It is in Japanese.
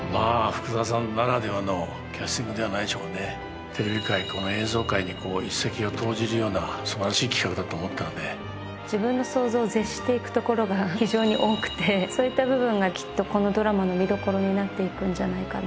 福澤さんならではのキャスティングではないでしょうかねテレビ界この映像界にこう一石を投じるような素晴らしい企画だと思ったので自分の想像を絶していくところが非常に多くてそういった部分がきっとこのドラマの見どころになっていくんじゃないかな